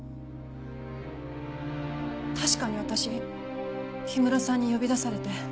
確かに私氷室さんに呼び出されて。